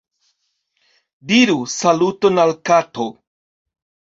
Diru saluton al kato.